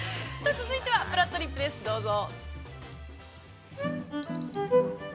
続いては「ぷらっとりっぷ」です、どうぞ。